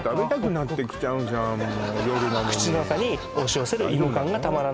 もう口の中に押し寄せる芋感がたまらない